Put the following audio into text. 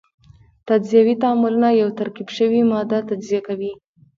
تجزیوي تعاملونه یوه ترکیب شوې ماده تجزیه کوي.